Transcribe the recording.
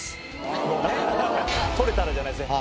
とれたらじゃないですね。